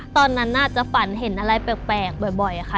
ตอนนั้นอาจจะฝันเห็นอะไรแปลกบ่อยค่ะ